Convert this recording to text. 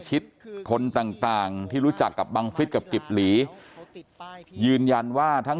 ชิดคนต่างที่รู้จักกับบังฟิศกับกิบหลียืนยันว่าทั้ง